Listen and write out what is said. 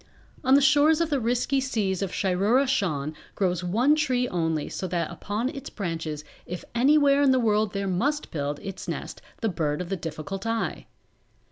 On the shores of the risky seas of Shiroora Shan grows one tree only so that upon its branches if anywhere in the world there must build its nest the Bird of the Difficult Eye.